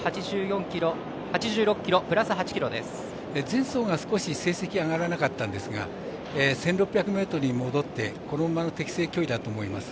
前走が少し成績が上がらなかったんですが１６００ｍに戻ってこの馬の適正距離だと思います。